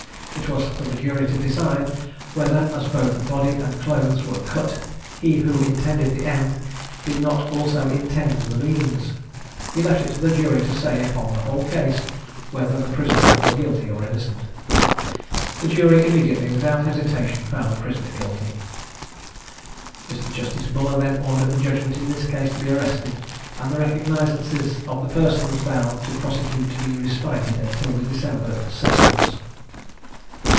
It was for the jury to decide whether, as both body and clothes were cut, he who intended the end did not also intend the means. He left it to the jury to say, upon the whole case, whether the prisoner was guilty or innocent. The jury immediately, without hesitation, found the prisoner guilty. Mr. Justice Buller then ordered the judgment in this case to be arrested, and the recognizances of the persons bound to prosecute to be respited until the December sessions.